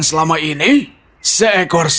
aku juga ingin mencari tempat untuk berbunyi